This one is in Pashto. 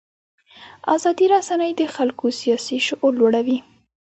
ازادې رسنۍ د خلکو سیاسي شعور لوړوي.